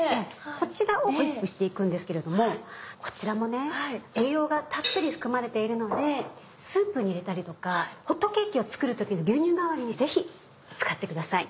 こちらをホイップして行くんですけれどもこちらも栄養がたっぷり含まれているのでスープに入れたりとかホットケーキを作る時の牛乳代わりにぜひ使ってください。